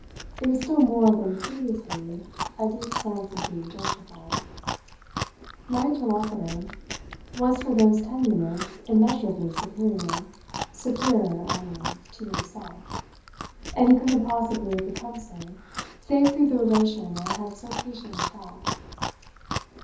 It was still more than previously a deep sense of being justified. My interlocutor was for those ten minutes immeasurably superior superior, I mean, to himself and he couldn't possibly have become so save through the relation I had so patiently tracked.